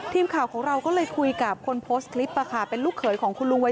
ทีมข่าวของเราก็เลยคุยกับคนโพสต์คลิปเป็นลูกเขยของคุณลุงวัย